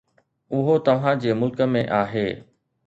اهو توهان جي ملڪ ۾ آهي.